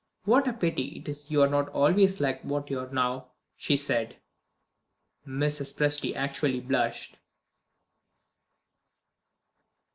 "What a pity it is you are not always like what you are now!" she said. Mrs. Presty actually blushed.